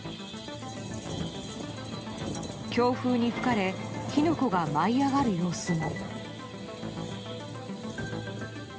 強風に吹かれ火の粉が舞い上がる様子も。